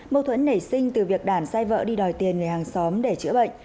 mâu thuẫn nảy sinh từ việc đàn sai vợ đi đòi tiền người hàng xóm để chữa bệnh